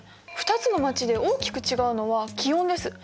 ２つの街で大きく違うのは気温です。